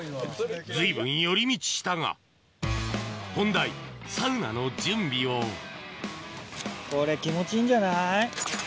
随分寄り道したが本題サウナの準備をこれ気持ちいいんじゃない？